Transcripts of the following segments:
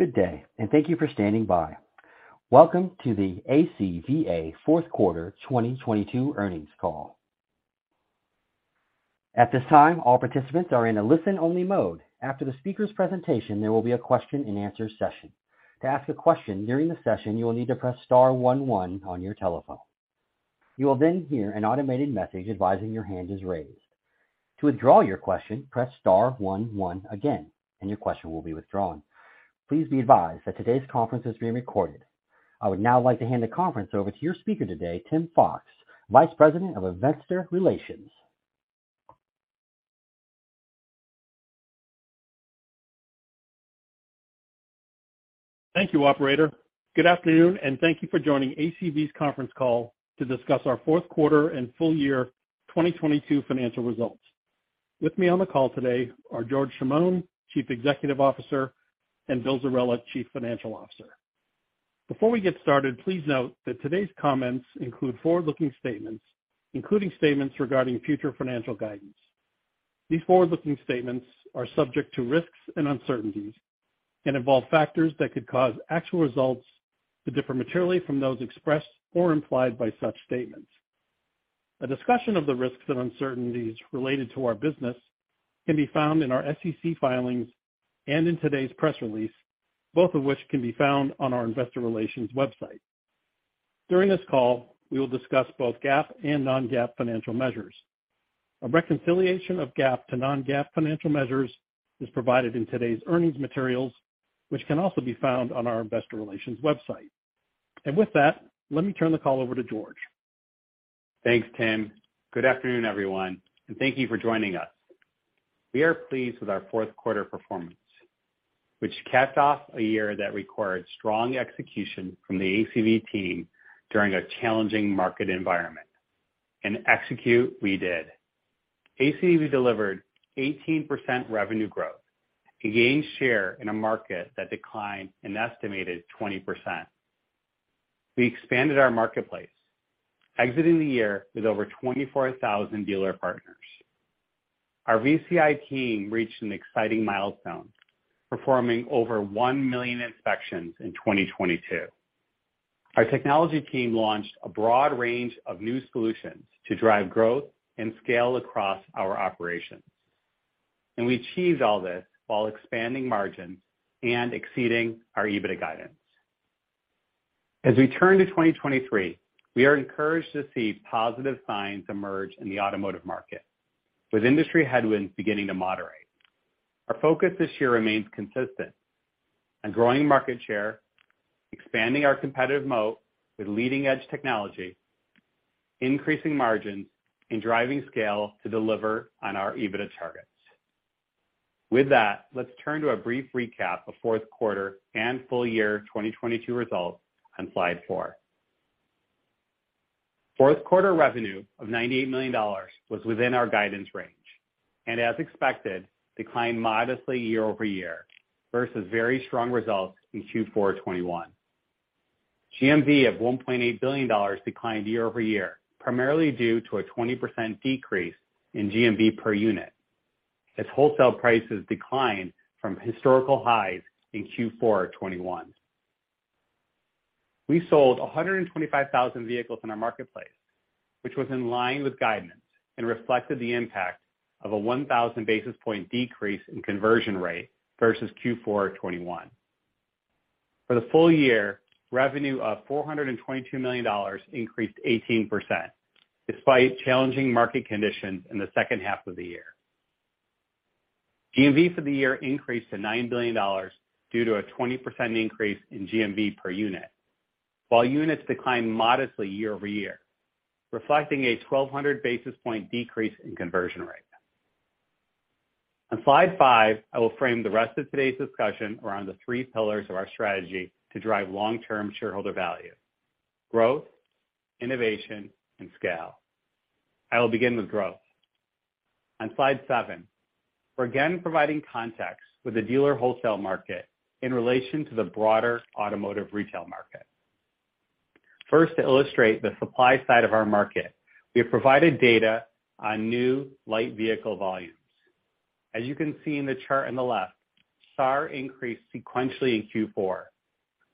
Good day. Thank you for standing by. Welcome to the ACVA fourth quarter 2022 earnings call. At this time, all participants are in a listen-only mode. After the speaker's presentation, there will be a question-and-answer session. To ask a question during the session, you will need to press star one one on your telephone. You will hear an automated message advising your hand is raised. To withdraw your question, press star one one again. Your question will be withdrawn. Please be advised that today's conference is being recorded. I would now like to hand the conference over to your speaker today, Tim Fox, Vice President of Investor Relations. Thank you, operator. Good afternoon, thank you for joining ACV's conference call to discuss our fourth quarter and full year 2022 financial results. With me on the call today are George Chamoun, Chief Executive Officer, and Bill Zerella, Chief Financial Officer. Before we get started, please note that today's comments include forward-looking statements, including statements regarding future financial guidance. These forward-looking statements are subject to risks and uncertainties and involve factors that could cause actual results to differ materially from those expressed or implied by such statements. A discussion of the risks and uncertainties related to our business can be found in our SEC filings and in today's press release, both of which can be found on our investor relations website. During this call, we will discuss both GAAP and non-GAAP financial measures. A reconciliation of GAAP to non-GAAP financial measures is provided in today's earnings materials, which can also be found on our investor relations website. With that, let me turn the call over to George. Thanks, Tim. Good afternoon, everyone, and thank you for joining us. We are pleased with our fourth quarter performance, which capped off a year that required strong execution from the ACV team during a challenging market environment. Execute we did. ACV delivered 18% revenue growth and gained share in a market that declined an estimated 20%. We expanded our marketplace, exiting the year with over 24,000 dealer partners. Our VCI team reached an exciting milestone, performing over 1 million inspections in 2022. Our technology team launched a broad range of new solutions to drive growth and scale across our operations. We achieved all this while expanding margins and exceeding our EBITDA guidance. As we turn to 2023, we are encouraged to see positive signs emerge in the automotive market, with industry headwinds beginning to moderate. Our focus this year remains consistent on growing market share, expanding our competitive moat with leading-edge technology, increasing margins, and driving scale to deliver on our EBITDA targets. With that, let's turn to a brief recap of fourth quarter and full year 2022 results on slide four. Fourth quarter revenue of $98 million was within our guidance range and, as expected, declined modestly year-over-year versus very strong results in Q4 2021. GMV of $1.8 billion declined year-over-year, primarily due to a 20% decrease in GMV per unit as wholesale prices declined from historical highs in Q4 2021. We sold 125,000 vehicles in our marketplace, which was in line with guidance and reflected the impact of a 1,000 basis point decrease in conversion rate versus Q4 2021. For the full year, revenue of $422 million increased 18% despite challenging market conditions in the second half of the year. GMV for the year increased to $9 billion due to a 20% increase in GMV per unit, while units declined modestly year-over-year, reflecting a 1,200 basis point decrease in conversion rate. On slide five, I will frame the rest of today's discussion around the three pillars of our strategy to drive long-term shareholder value: growth, innovation, and scale. I will begin with growth. On slide seven, we're again providing context for the dealer wholesale market in relation to the broader automotive retail market. First, to illustrate the supply side of our market, we have provided data on new light vehicle volumes. As you can see in the chart on the left, SAR increased sequentially in Q4,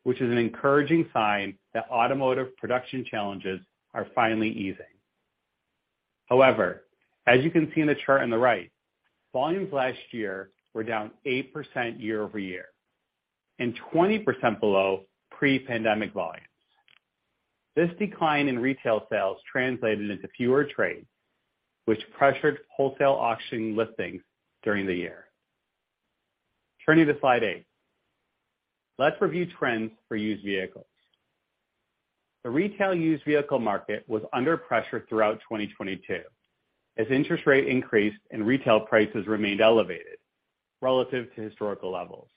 which is an encouraging sign that automotive production challenges are finally easing. As you can see in the chart on the right, volumes last year were down 8% year-over-year and 20% below pre-pandemic volumes. This decline in retail sales translated into fewer trades, which pressured wholesale auction listings during the year. Turning to slide eight, let's review trends for used vehicles. The retail used vehicle market was under pressure throughout 2022 as interest rate increased and retail prices remained elevated relative to historical levels.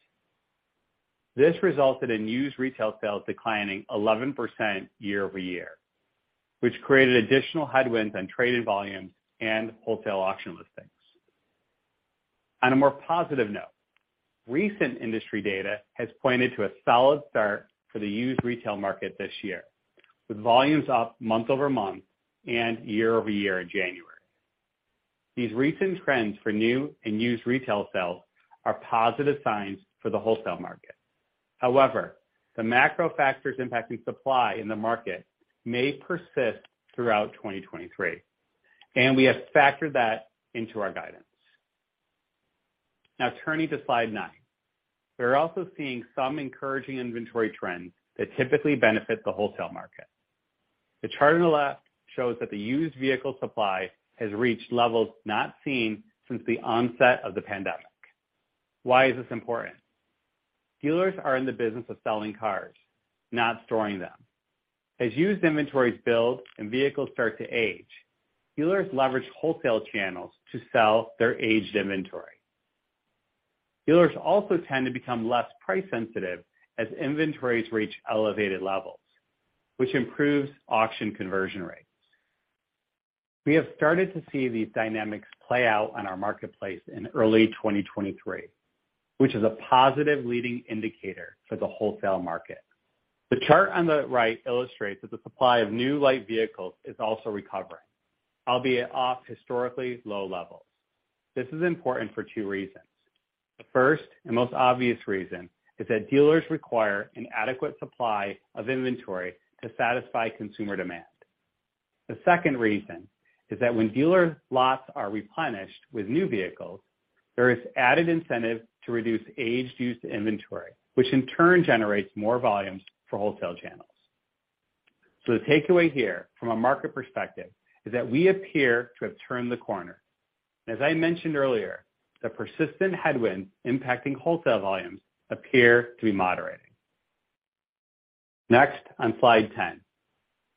This resulted in used retail sales declining 11% year-over-year, which created additional headwinds on traded volumes and wholesale auction listings. On a more positive note, recent industry data has pointed to a solid start for the used retail market this year, with volumes up month-over-month and year-over-year in January. These recent trends for new and used retail sales are positive signs for the wholesale market. The macro factors impacting supply in the market may persist throughout 2023, and we have factored that into our guidance. Turning to slide nine. We're also seeing some encouraging inventory trends that typically benefit the wholesale market. The chart on the left shows that the used vehicle supply has reached levels not seen since the onset of the pandemic. Why is this important? Dealers are in the business of selling cars, not storing them. As used inventories build and vehicles start to age, dealers leverage wholesale channels to sell their aged inventory. Dealers also tend to become less price-sensitive as inventories reach elevated levels, which improves auction conversion rates. We have started to see these dynamics play out on our marketplace in early 2023, which is a positive leading indicator for the wholesale market. The chart on the right illustrates that the supply of new light vehicles is also recovering, albeit off historically low levels. This is important for two reasons. The first and most obvious reason is that dealers require an adequate supply of inventory to satisfy consumer demand. The second reason is that when dealer lots are replenished with new vehicles, there is added incentive to reduce aged used inventory, which in turn generates more volumes for wholesale channels. The takeaway here from a market perspective is that we appear to have turned the corner. As I mentioned earlier, the persistent headwind impacting wholesale volumes appear to be moderating. On slide 10.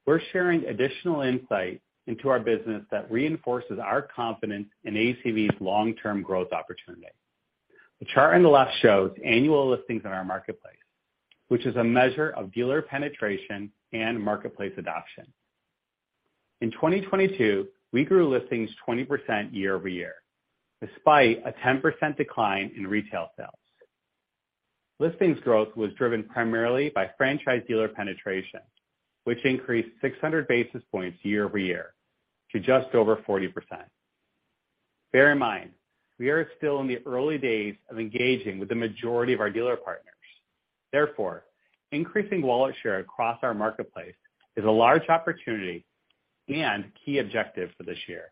We're sharing additional insight into our business that reinforces our confidence in ACV's long-term growth opportunity. The chart on the left shows annual listings in our marketplace, which is a measure of dealer penetration and marketplace adoption. In 2022, we grew listings 20% year-over-year, despite a 10% decline in retail sales. Listings growth was driven primarily by franchise dealer penetration, which increased 600 basis points year-over-year to just over 40%. Bear in mind, we are still in the early days of engaging with the majority of our dealer partners. Increasing wallet share across our marketplace is a large opportunity and key objective for this year.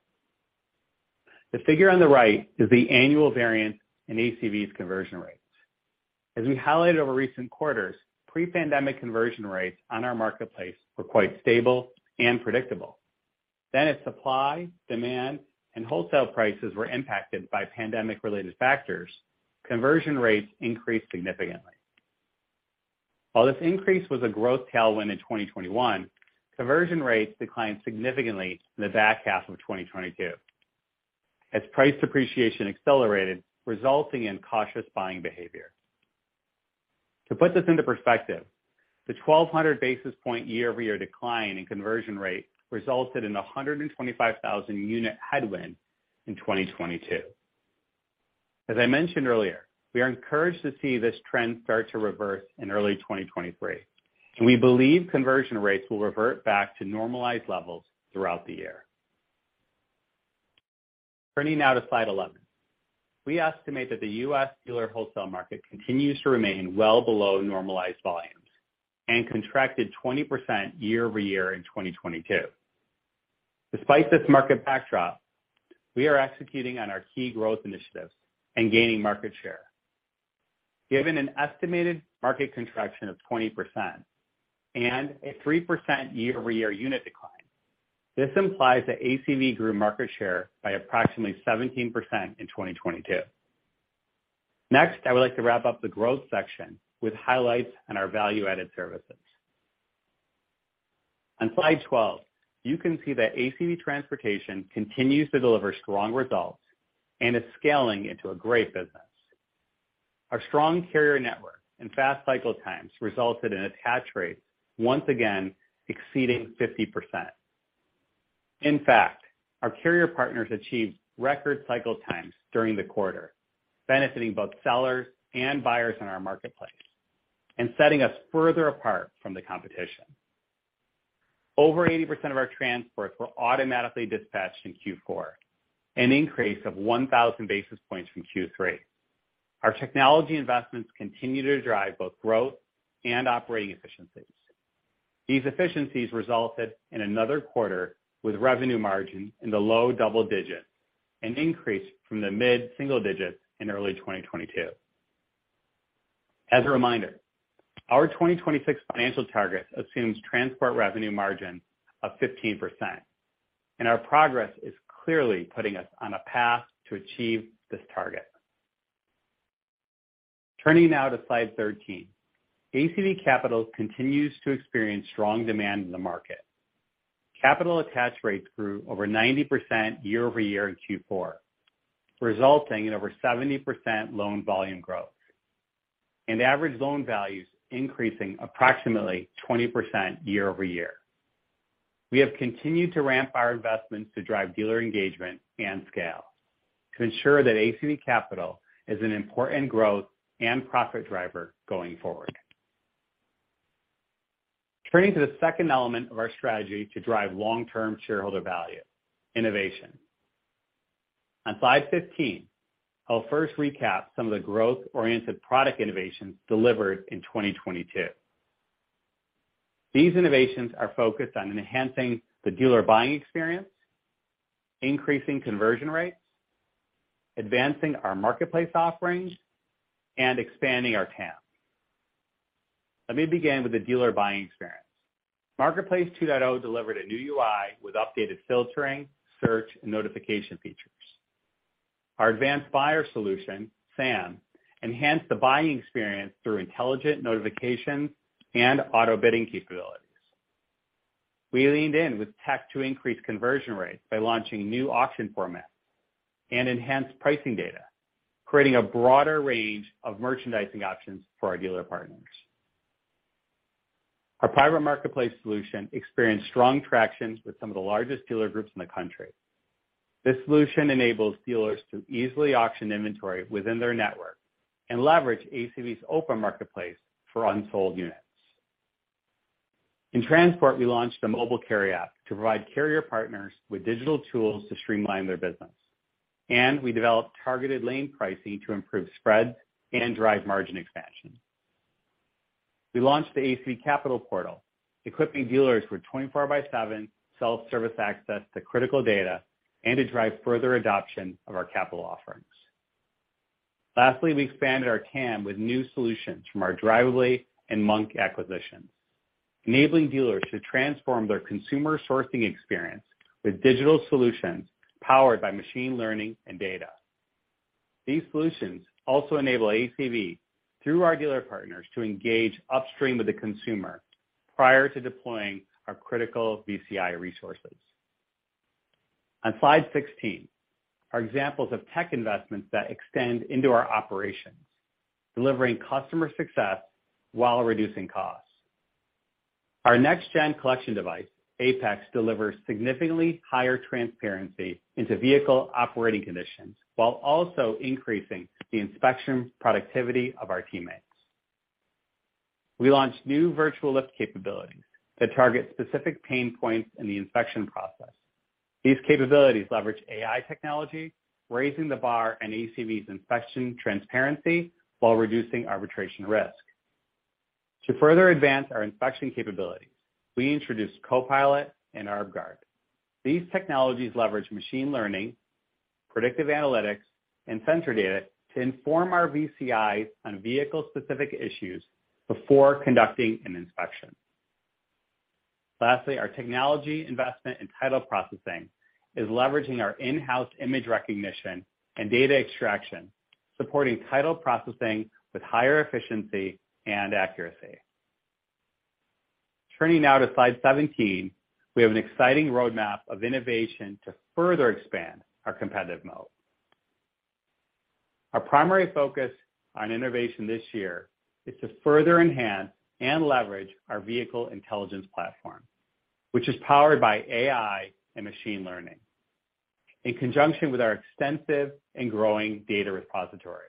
The figure on the right is the annual variance in ACV's conversion rates. As we highlighted over recent quarters, pre-pandemic conversion rates on our marketplace were quite stable and predictable. As supply, demand, and wholesale prices were impacted by pandemic-related factors, conversion rates increased significantly. While this increase was a growth tailwind in 2021, conversion rates declined significantly in the back half of 2022 as price depreciation accelerated, resulting in cautious buying behavior. To put this into perspective, the 1,200 basis point year-over-year decline in conversion rate resulted in a 125,000 unit headwind in 2022. As I mentioned earlier, we are encouraged to see this trend start to reverse in early 2023, and we believe conversion rates will revert back to normalized levels throughout the year. Turning now to slide 11. We estimate that the U.S. dealer wholesale market continues to remain well below normalized volumes and contracted 20% year-over-year in 2022. Despite this market backdrop, we are executing on our key growth initiatives and gaining market share. Given an estimated market contraction of 20% and a 3% year-over-year unit decline, this implies that ACV grew market share by approximately 17% in 2022. Next, I would like to wrap up the growth section with highlights on our value-added services. On slide 12, you can see that ACV Transportation continues to deliver strong results and is scaling into a great business. Our strong carrier network and fast cycle times resulted in attach rates once again exceeding 50%. Our carrier partners achieved record cycle times during the quarter, benefiting both sellers and buyers in our marketplace and setting us further apart from the competition. Over 80% of our transports were automatically dispatched in Q4, an increase of 1,000 basis points from Q3. Our technology investments continue to drive both growth and operating efficiencies. These efficiencies resulted in another quarter with revenue margin in the low double digits, an increase from the mid-single digits in early 2022. As a reminder, our 2026 financial target assumes transport revenue margin of 15%, and our progress is clearly putting us on a path to achieve this target. Turning now to slide 13. ACV Capital continues to experience strong demand in the market. Capital attach rates grew over 90% year-over-year in Q4, resulting in over 70% loan volume growth and average loan values increasing approximately 20% year-over-year. We have continued to ramp our investments to drive dealer engagement and scale to ensure that ACV Capital is an important growth and profit driver going forward. Turning to the second element of our strategy to drive long-term shareholder value, innovation. On slide 15, I'll first recap some of the growth-oriented product innovations delivered in 2022. These innovations are focused on enhancing the dealer buying experience, increasing conversion rates, advancing our marketplace offerings, and expanding our TAM. Let me begin with the dealer buying experience. Marketplace 2.0 delivered a new UI with updated filtering, search, and notification features. Our advanced buyer solution, S.A.M., enhanced the buying experience through intelligent notification and auto-bidding capabilities. We leaned in with tech to increase conversion rates by launching new auction formats and enhanced pricing data, creating a broader range of merchandising options for our dealer partners. Our private marketplace solution experienced strong traction with some of the largest dealer groups in the country. This solution enables dealers to easily auction inventory within their network and leverage ACV's open marketplace for unsold units. In transport, we launched the Mobile Carrier App to provide carrier partners with digital tools to streamline their business. We developed targeted lane pricing to improve spreads and drive margin expansion. We launched the ACV Capital portal, equipping dealers with 24/7 self-service access to critical data and to drive further adoption of our capital offerings. We expanded our TAM with new solutions from our Drivably and Monk acquisitions, enabling dealers to transform their consumer sourcing experience with digital solutions powered by machine learning and data. These solutions also enable ACV, through our dealer partners, to engage upstream with the consumer prior to deploying our critical VCI resources. On slide 16 are examples of tech investments that extend into our operations, delivering customer success while reducing costs. Our next-gen collection device, APEX, delivers significantly higher transparency into vehicle operating conditions while also increasing the inspection productivity of our teammates. We launched new virtual lift capabilities that target specific pain points in the inspection process. These capabilities leverage AI technology, raising the bar on ACV's inspection transparency while reducing arbitration risk. To further advance our inspection capabilities, we introduced Copilot and ArbGuard. These technologies leverage machine learning, predictive analytics, and sensor data to inform our VCIs on vehicle-specific issues before conducting an inspection. Lastly, our technology investment and title processing is leveraging our in-house image recognition and data extraction, supporting title processing with higher efficiency and accuracy. Turning now to slide 17. We have an exciting roadmap of innovation to further expand our competitive mode. Our primary focus on innovation this year is to further enhance and leverage our vehicle intelligence platform, which is powered by AI and machine learning, in conjunction with our extensive and growing data repository.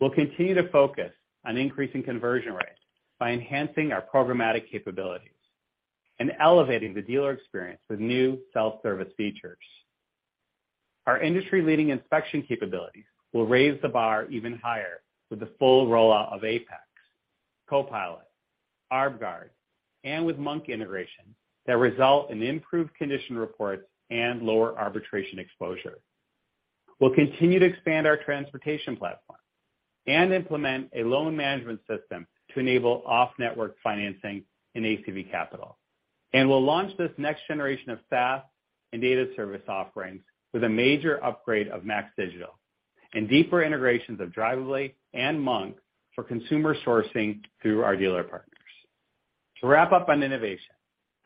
We'll continue to focus on increasing conversion rates by enhancing our programmatic capabilities and elevating the dealer experience with new self-service features. Our industry-leading inspection capabilities will raise the bar even higher with the full rollout of APEX, Copilot, ArbGuard, with Monk integration that result in improved condition reports and lower arbitration exposure. We'll continue to expand our transportation platform and implement a loan management system to enable off-network financing in ACV Capital. We'll launch this next generation of SaaS and data service offerings with a major upgrade of MAX Digital and deeper integrations of Drivably and Monk for consumer sourcing through our dealer partners. To wrap up on innovation,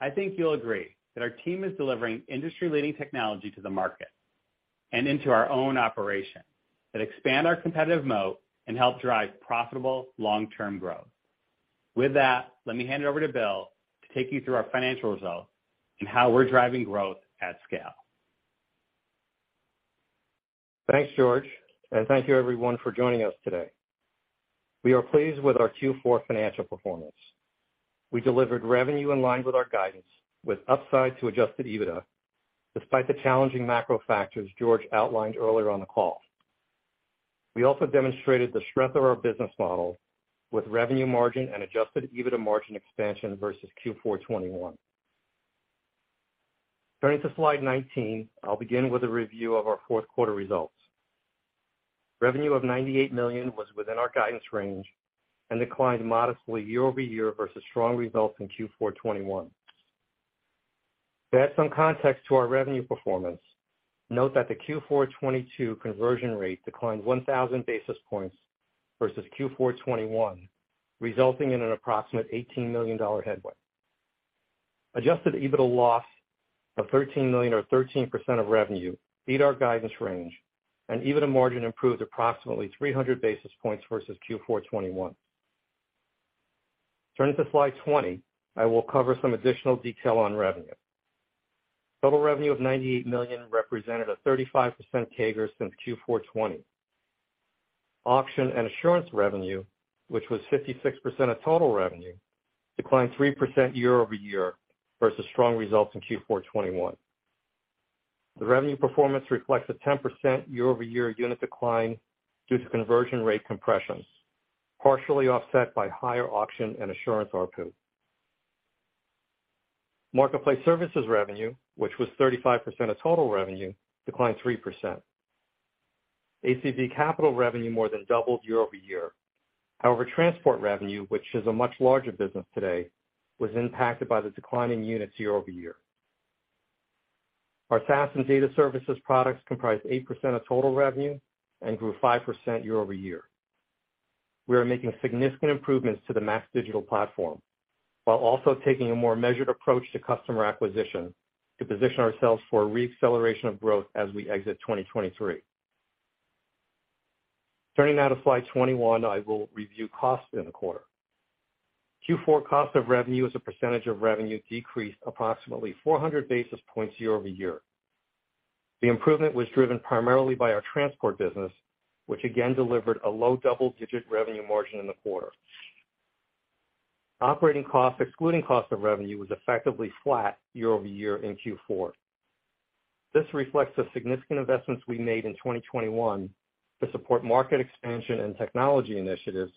I think you'll agree that our team is delivering industry-leading technology to the market and into our own operations that expand our competitive moat and help drive profitable long-term growth. With that, let me hand it over to Bill to take you through our financial results and how we're driving growth at scale. Thanks, George, and thank you everyone for joining us today. We are pleased with our Q4 financial performance. We delivered revenue in line with our guidance, with upside to Adjusted EBITDA, despite the challenging macro factors George outlined earlier on the call. We also demonstrated the strength of our business model with revenue margin and Adjusted EBITDA margin expansion versus Q4 2021. Turning to slide 19, I'll begin with a review of our fourth quarter results. Revenue of $98 million was within our guidance range and declined modestly year-over-year versus strong results in Q4 2021. To add some context to our revenue performance, note that the Q4 2022 conversion rate declined 1,000 basis points versus Q4 2021, resulting in an approximate $18 million headway. Adjusted EBITDA loss of $13 million or 13% of revenue beat our guidance range, and EBITDA margin improved approximately 300 basis points versus Q4 2021. Turning to slide 20, I will cover some additional detail on revenue. Total revenue of $98 million represented a 35% CAGR since Q4 2020. Auction and assurance revenue, which was 56% of total revenue, declined 3% year-over-year versus strong results in Q4 2021. The revenue performance reflects a 10% year-over-year unit decline due to conversion rate compressions, partially offset by higher auction and assurance ARPU. Marketplace services revenue, which was 35% of total revenue, declined 3%. ACV Capital revenue more than doubled year-over-year. However, transport revenue, which is a much larger business today, was impacted by the declining units year-over-year. Our SaaS and data services products comprise 8% of total revenue and grew 5% year-over-year. We are making significant improvements to the MAX Digital platform, while also taking a more measured approach to customer acquisition to position ourselves for a re-acceleration of growth as we exit 2023. Turning now to slide 21, I will review costs in the quarter. Q4 cost of revenue as a percentage of revenue decreased approximately 400 basis points year-over-year. The improvement was driven primarily by our transport business, which again delivered a low double-digit revenue margin in the quarter. Operating costs, excluding cost of revenue, was effectively flat year-over-year in Q4. This reflects the significant investments we made in 2021 to support market expansion and technology initiatives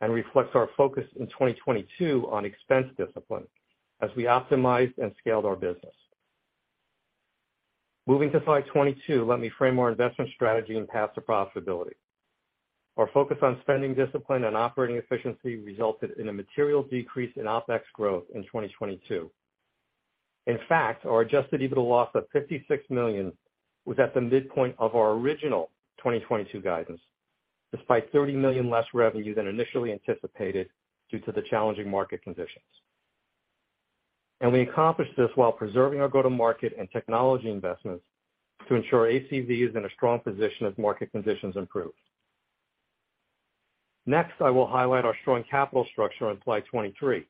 and reflects our focus in 2022 on expense discipline as we optimized and scaled our business. Moving to slide 22, let me frame our investment strategy and path to profitability. Our focus on spending discipline and operating efficiency resulted in a material decrease in OpEx growth in 2022. In fact, our Adjusted EBITDA loss of $56 million was at the midpoint of our original 2022 guidance, despite $30 million less revenue than initially anticipated due to the challenging market conditions. We accomplished this while preserving our go-to-market and technology investments to ensure ACV is in a strong position as market conditions improve. Next, I will highlight our strong capital structure on slide 23.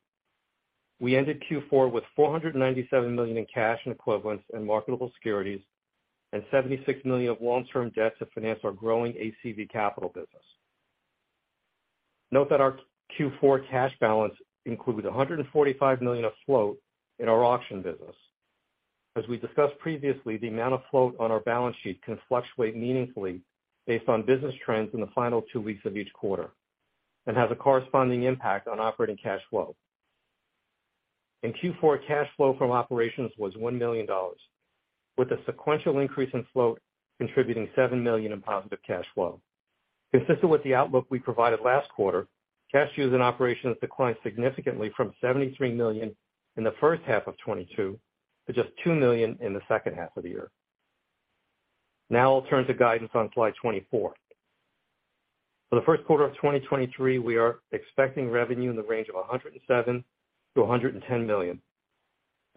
We ended Q4 with $497 million in cash equivalents and marketable securities and $76 million of long-term debt to finance our growing ACV Capital business. Note that our Q4 cash balance includes $145 million of float in our auction business. As we discussed previously, the amount of float on our balance sheet can fluctuate meaningfully based on business trends in the final two weeks of each quarter and has a corresponding impact on operating cash flow. In Q4, cash flow from operations was $1 million, with a sequential increase in float contributing $7 million in positive cash flow. Consistent with the outlook we provided last quarter, cash used in operations declined significantly from $73 million in the first half of 2022 to just $2 million in the second half of the year. Now I'll turn to guidance on slide 24. For the first quarter of 2023, we are expecting revenue in the range of $107 million-$110 million.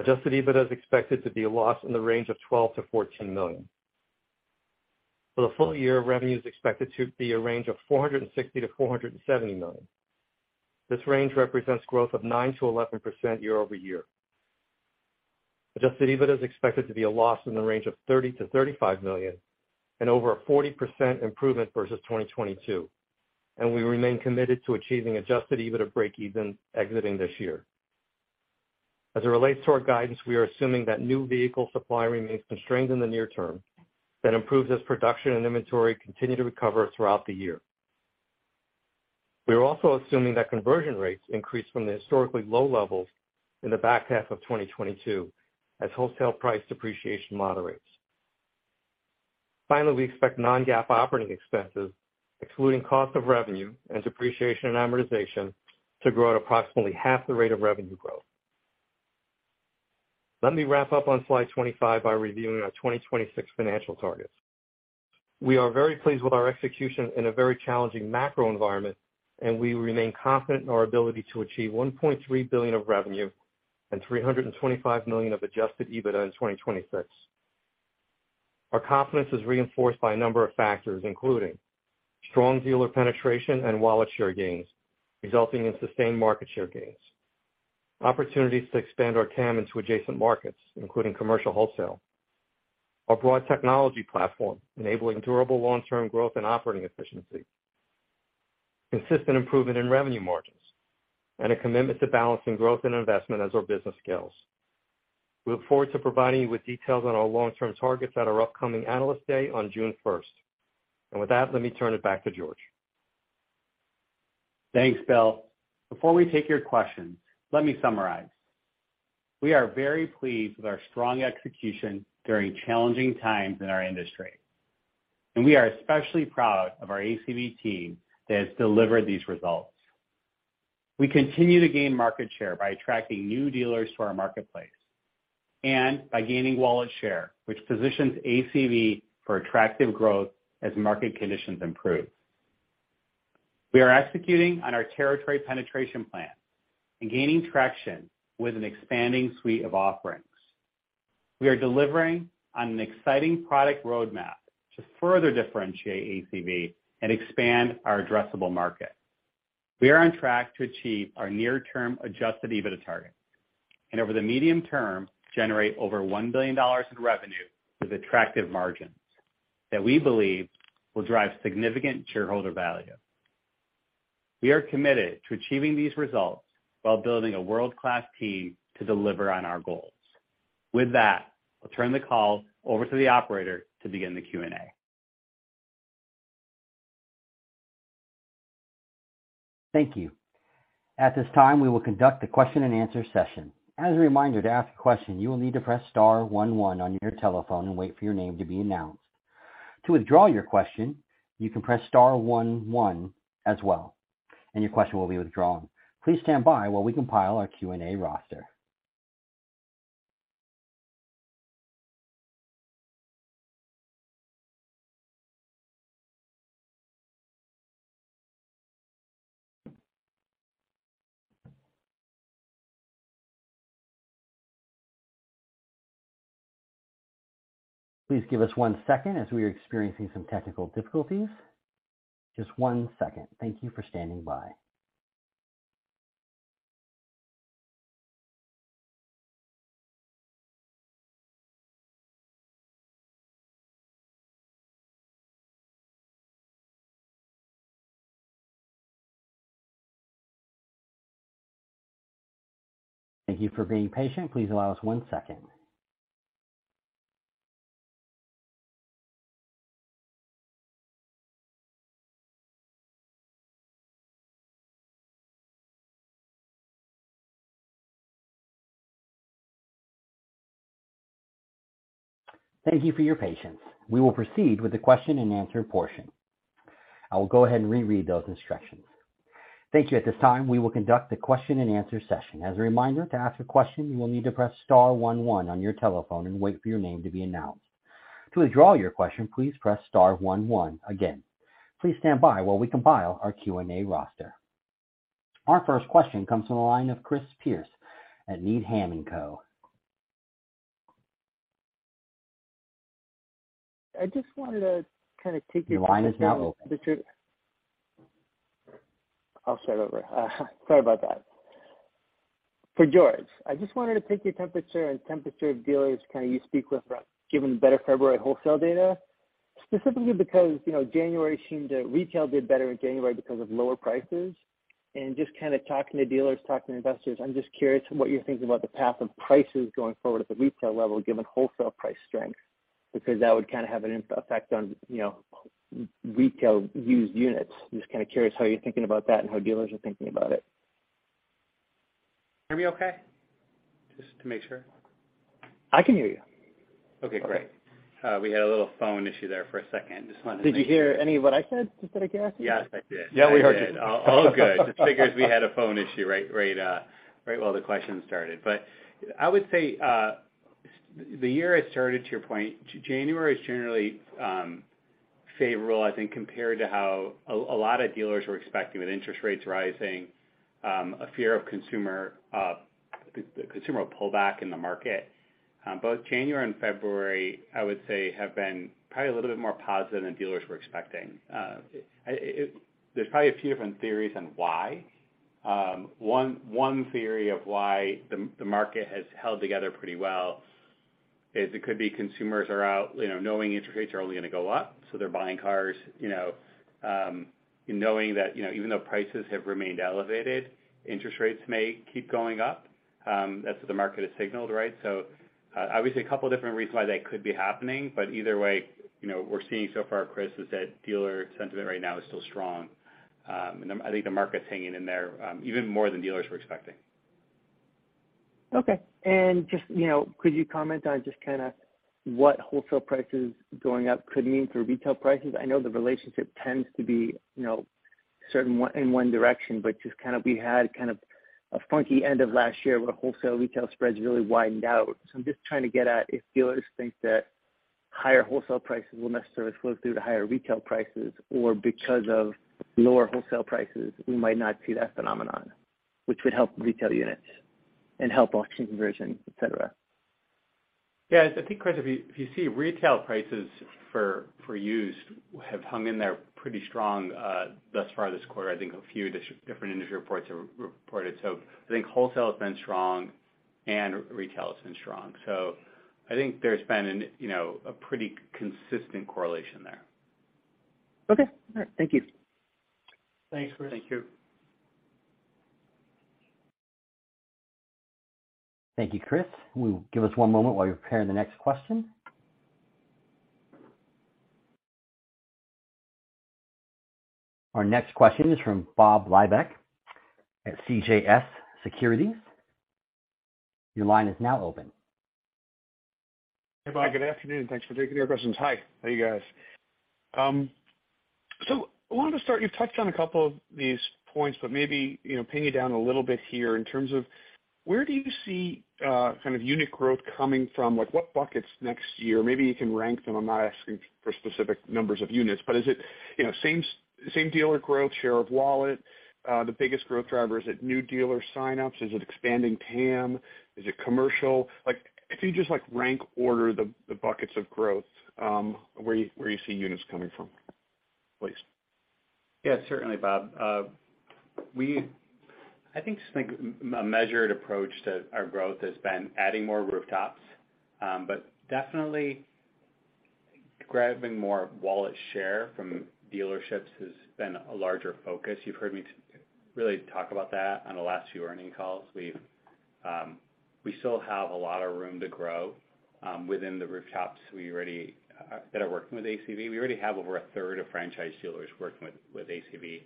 Adjusted EBITDA is expected to be a loss in the range of $12 million-$14 million. For the full year, revenue is expected to be a range of $460 million-$470 million. This range represents growth of 9%-11% year-over-year. Adjusted EBITDA is expected to be a loss in the range of $30 million-$35 million and over a 40% improvement versus 2022. We remain committed to achieving Adjusted EBITDA breakeven exiting this year. As it relates to our guidance, we are assuming that new vehicle supply remains constrained in the near term, then improves as production and inventory continue to recover throughout the year. We are also assuming that conversion rates increase from the historically low levels in the back half of 2022 as wholesale price depreciation moderates. Finally, we expect non-GAAP operating expenses, excluding cost of revenue and depreciation and amortization, to grow at approximately half the rate of revenue growth. Let me wrap up on slide 25 by reviewing our 2026 financial targets. We are very pleased with our execution in a very challenging macro environment, and we remain confident in our ability to achieve $1.3 billion of revenue and $325 million of Adjusted EBITDA in 2026. Our confidence is reinforced by a number of factors, including strong dealer penetration and wallet share gains, resulting in sustained market share gains. Opportunities to expand our TAM into adjacent markets, including commercial wholesale. Our broad technology platform enabling durable long-term growth and operating efficiency. Consistent improvement in revenue margins. And a commitment to balancing growth and investment as our business scales. We look forward to providing you with details on our long-term targets at our upcoming Analyst Day on June 1st. With that, let me turn it back to George. Thanks, Bill. Before we take your questions, let me summarize. We are very pleased with our strong execution during challenging times in our industry, we are especially proud of our ACV team that has delivered these results. We continue to gain market share by attracting new dealers to our marketplace and by gaining wallet share, which positions ACV for attractive growth as market conditions improve. We are executing on our territory penetration plan and gaining traction with an expanding suite of offerings. We are delivering on an exciting product roadmap to further differentiate ACV and expand our addressable market. We are on track to achieve our near term Adjusted EBITDA target and over the medium term, generate over $1 billion in revenue with attractive margins that we believe will drive significant shareholder value. We are committed to achieving these results while building a world-class team to deliver on our goals. With that, I'll turn the call over to the operator to begin the Q&A. Thank you. At this time, we will conduct a question and answer session. As a reminder, to ask a question, you will need to press star one one on your telephone and wait for your name to be announced. To withdraw your question, you can press star one one as well and your question will be withdrawn. Please stand by while we compile our Q&A roster. Please give us one second as we are experiencing some technical difficulties. Just one second. Thank you for standing by. Thank you for being patient. Please allow us one second. Thank you for your patience. We will proceed with the question and answer portion. I will go ahead and reread those instructions. Thank you. At this time, we will conduct the question and answer session. As a reminder, to ask a question, you will need to press star one one on your telephone and wait for your name to be announced. To withdraw your question, please press star one one again. Please stand by while we compile our Q&A roster. Our first question comes from the line of Chris Pierce at Needham & Company. I just wanted to kind of take. Your line is now open. I'll start over. Sorry about that. For George, I just wanted to take your temperature and temperature of dealers kind of you speak with, given the better February wholesale data, specifically because, you know, retail did better in January because of lower prices. Just kind of talking to dealers, talking to investors, I'm just curious what you're thinking about the path of prices going forward at the retail level, given wholesale price strength, because that would kind of have an effect on, you know, retail used units. Just kind of curious how you're thinking about that and how dealers are thinking about it. Can you hear me okay? Just to make sure. I can hear you. Okay, great. We had a little phone issue there for a second. Just wanted to make sure. Did you hear any of what I said, just so I can ask it? Yes, I did. Yeah, we heard you. All good. Just figures. We had a phone issue, right while the question started. I would say, the year has started, to your point, January is generally favorable, I think, compared to how a lot of dealers were expecting with interest rates rising, a fear of consumer, the consumer pullback in the market. Both January and February, I would say, have been probably a little bit more positive than dealers were expecting. There's probably a few different theories on why. One theory of why the market has held together pretty well is it could be consumers are out, you know, knowing interest rates are only going to go up, so they're buying cars, you know, knowing that, you know, even though prices have remained elevated, interest rates may keep going up. That's what the market has signaled, right? Obviously a couple different reasons why that could be happening, but either way, you know, we're seeing so far, Chris, is that dealer sentiment right now is still strong. I think the market's hanging in there, even more than dealers were expecting. Okay. Just, you know, could you comment on just kind of what wholesale prices going up could mean for retail prices? I know the relationship tends to be, you know, certain in one direction. Just kind of we had kind of a funky end of last year where wholesale retail spreads really widened out. I'm just trying to get at if dealers think that higher wholesale prices will necessarily flow through to higher retail prices, or because of lower wholesale prices, we might not see that phenomenon which would help retail units and help auction conversion, et cetera. Yes. I think, Chris, if you see retail prices for used have hung in there pretty strong, thus far this quarter. I think a few different industry reports have reported. I think wholesale has been strong and retail has been strong. I think there's been, you know, a pretty consistent correlation there. Okay. All right. Thank you. Thanks, Chris. Thank you. Thank you, Chris. Give us one moment while we prepare the next question. Our next question is from Bob Labick at CJS Securities. Your line is now open. Hey, Bob. Good afternoon. Thanks for taking our questions. Hi. How are you guys? I wanted to start, you've touched on a couple of these points, maybe, you know, pin you down a little bit here in terms of where do you see kind of unit growth coming from? What buckets next year? Maybe you can rank them. I'm not asking for specific numbers of units, but is it, you know, same dealer growth, share of wallet? The biggest growth driver, is it new dealer sign-ups? Is it expanding TAM? Is it commercial? If you just, like, rank order the buckets of growth, where you see units coming from, please. Yeah, certainly, Bob. I think it's like a measured approach to our growth has been adding more rooftops, but definitely grabbing more wallet share from dealerships has been a larger focus. You've heard me really talk about that on the last few earning calls. We've. We still have a lot of room to grow within the rooftops we already that are working with ACV. We already have over a third of franchise dealers working with ACV.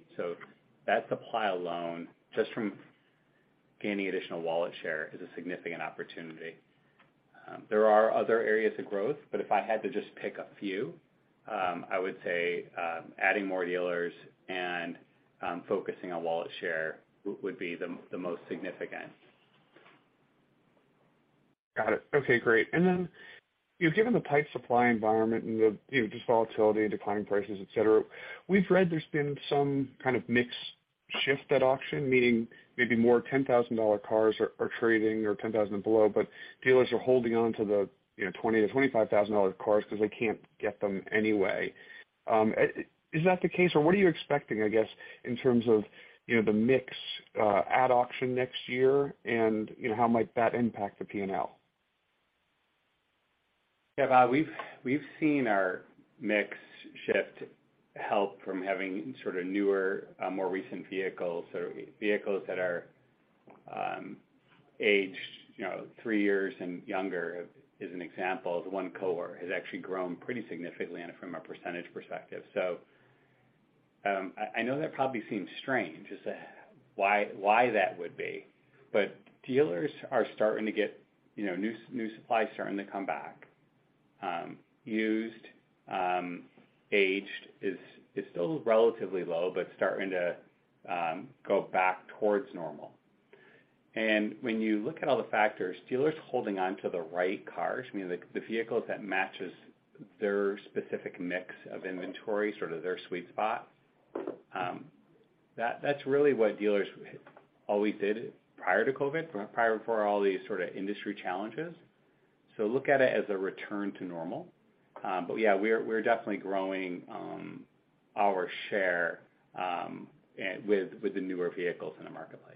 That supply alone, just from gaining additional wallet share, is a significant opportunity. There are other areas of growth, but if I had to just pick a few, I would say, adding more dealers and focusing on wallet share would be the most significant. Got it. Okay, great. Then, you've given the pipe supply environment and the, you know, just volatility and declining prices, et cetera. We've read there's been some kind of mix shift at auction, meaning maybe more $10,000 cars are trading or $10,000 below, but dealers are holding on to the, you know, $20,000-$25,000 cars because they can't get them anyway. Is that the case? What are you expecting, I guess, in terms of, you know, the mix at auction next year, you know, how might that impact the P&L? Yeah, Bob, we've seen our mix shift help from having sort of newer, more recent vehicles or vehicles that are aged, you know, three years and younger, is an example. The one cohort has actually grown pretty significantly from a % perspective. I know that probably seems strange as to why that would be. Dealers are starting to get, you know, new supplies starting to come back. Used, aged is still relatively low but starting to go back towards normal. When you look at all the factors, dealers holding on to the right cars, meaning the vehicles that matches their specific mix of inventory, sort of their sweet spot, that's really what dealers always did prior to COVID, prior before all these sort of industry challenges. Look at it as a return to normal. Yeah, we're definitely growing our share with the newer vehicles in the marketplace.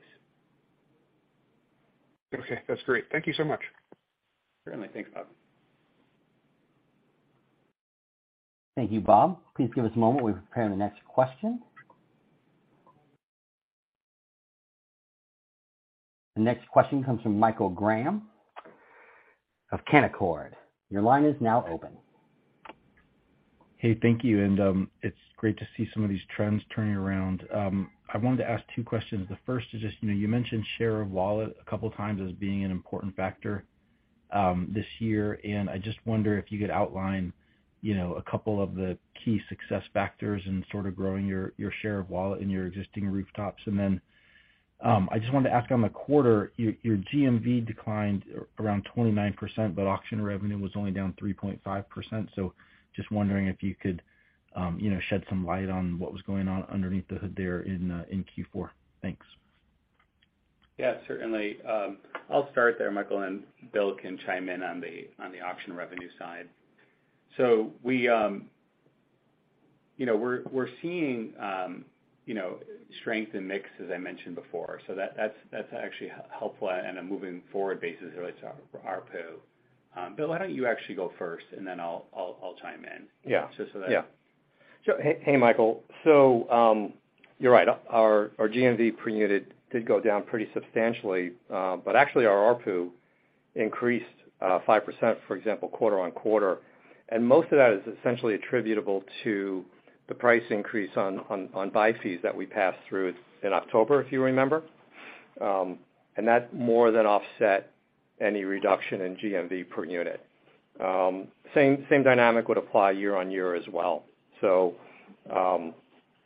Okay, that's great. Thank you so much. Certainly. Thanks, Bob. Thank you, Bob. Please give us a moment while we prepare the next question. The next question comes from Michael Graham of Canaccord. Your line is now open. Hey, thank you. It's great to see some of these trends turning around. I wanted to ask two questions. The first is just, you know, you mentioned share of wallet a couple of times as being an important factor this year. I just wonder if you could outline, you know, a couple of the key success factors in sort of growing your share of wallet in your existing rooftops. I just wanted to ask on the quarter, your GMV declined around 29%, but auction revenue was only down 3.5%. Just wondering if you could, you know, shed some light on what was going on underneath the hood there in Q4. Thanks. Yeah, certainly. I'll start there, Michael, and Bill can chime in on the, on the auction revenue side. We, you know, we're seeing, you know, strength in mix, as I mentioned before. That, that's actually helpful at in a moving forward basis relates to our ARPU. Bill, why don't you actually go first, and then I'll chime in. Yeah. Just so that- Hey Michael. You're right. Our GMV per unit did go down pretty substantially. But actually our ARPU increased 5%, for example, quarter-on-quarter. Most of that is essentially attributable to the price increase on buy fees that we passed through in October, if you remember. That more than offset any reduction in GMV per unit. Same dynamic would apply year-on-year as well. You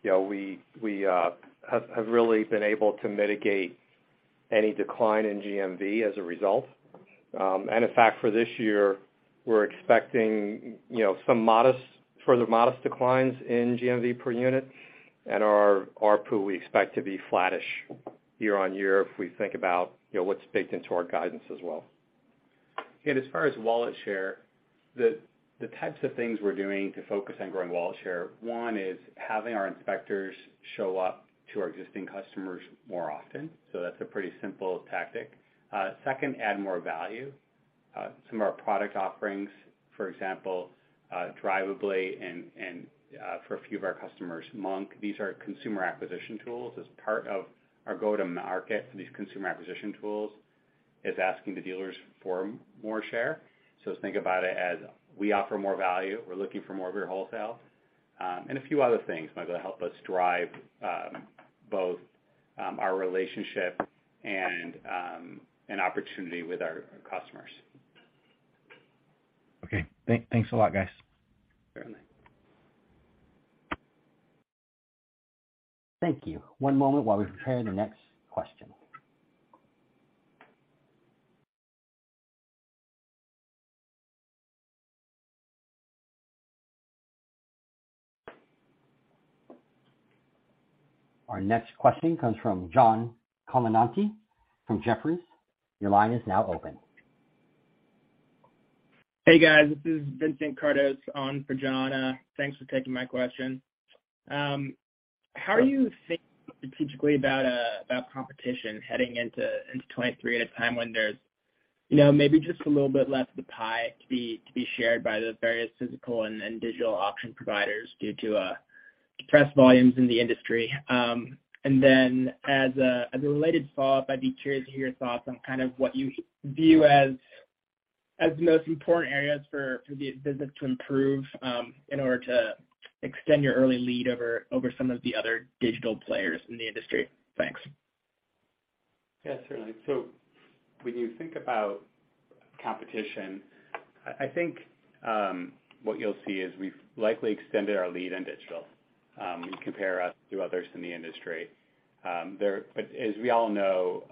know, we really been able to mitigate any decline in GMV as a result. In fact, for this year, we're expecting, you know, some modest, further modest declines in GMV per unit. Our ARPU, we expect to be flattish year-on-year if we think about, you know, what's baked into our guidance as well. As far as wallet share, the types of things we're doing to focus on growing wallet share, one is having our inspectors show up to our existing customers more often. That's a pretty simple tactic. Second, add more value. Some of our product offerings, for example, Drivably and, for a few of our customers, Monk, these are consumer acquisition tools. Part of our go-to-market for these consumer acquisition tools is asking the dealers for more share. Think about it as we offer more value, we're looking for more of your wholesale, and a few other things might help us drive both our relationship and an opportunity with our customers. Okay. Thanks a lot, guys. Certainly. Thank you. One moment while we prepare the next question. Our next question comes from John Colonnese from Jefferies. Your line is now open. Hey guys, this is Vincent Kardos on for John. Thanks for taking my question. How are you thinking strategically about competition heading into 2023 at a time when there's, you know, maybe just a little bit left of the pie to be shared by the various physical and digital auction providers due to depressed volumes in the industry? As a related follow-up, I'd be curious to hear your thoughts on kind of what you view as the most important areas for the business to improve in order to extend your early lead over some of the other digital players in the industry. Thanks. Yeah, certainly. When you think about competition, I think what you'll see is we've likely extended our lead in digital when you compare us to others in the industry. As we all know,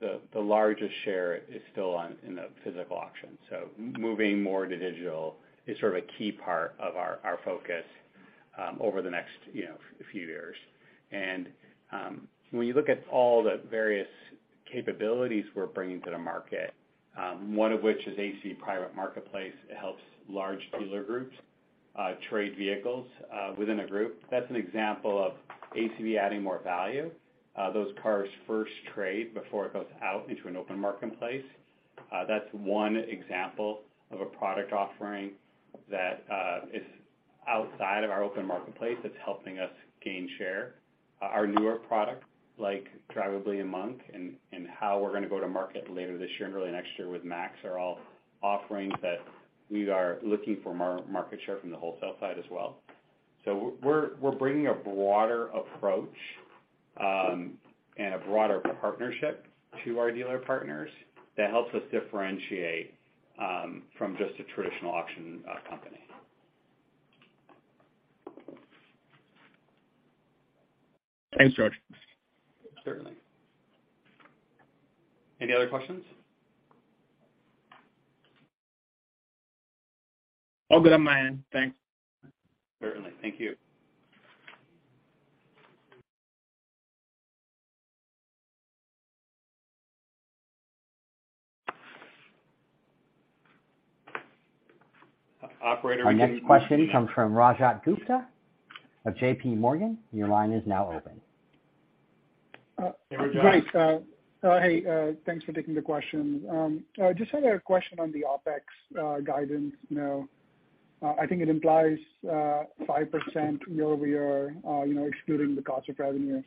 the largest share is still on, in the physical auction. Moving more to digital is sort of a key part of our focus over the next, you know, few years. When you look at all the various capabilities we're bringing to the market, one of which is ACV Private Marketplaces, it helps large dealer groups trade vehicles within a group. That's an example of ACV adding more value. Those cars first trade before it goes out into an open marketplace. That's one example of a product offering that is outside of our open marketplace that's helping us gain share. Our newer product like Drivably and Monk and how we're gonna go to market later this year and early next year with MAX are all offerings that we are looking for market share from the wholesale side as well. We're bringing a broader approach and a broader partnership to our dealer partners that helps us differentiate from just a traditional auction company. Thanks, George. Certainly. Any other questions? All good on my end. Thanks. Certainly. Thank you. Operator, you can mute me. Our next question comes from Rajat Gupta of JPMorgan. Your line is now open. Hey, Rajat. Great. Thanks for taking the question. Just had a question on the OpEx guidance, you know. I think it implies 5% year-over-year, you know, excluding the cost of revenue.